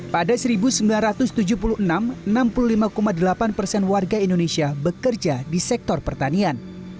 pada seribu sembilan ratus tujuh puluh enam enam puluh lima delapan persen warga indonesia bekerja di sektor pertanian